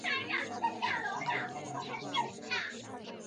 拜尔罗德是德国萨克森州的一个市镇。